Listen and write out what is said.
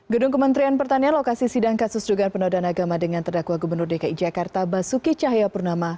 gedung kementerian pertanian lokasi sidang kasus dugaan penodaan agama dengan terdakwa gubernur dki jakarta basuki cahayapurnama